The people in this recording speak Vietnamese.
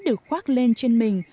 đã được khoác lên trên mình